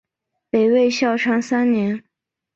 北魏孝昌三年。